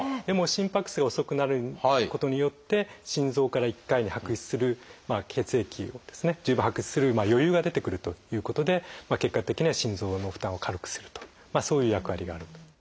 でも心拍数が遅くなることによって心臓から１回に拍出する血液をですね十分拍出する余裕が出てくるということで結果的には心臓の負担を軽くするとそういう役割があると。